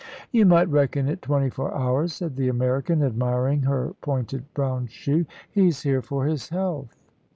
"You might reckon it twenty four hours," said the American, admiring her pointed brown shoe. "He's here for his health."